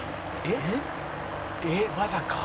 「えっまさか」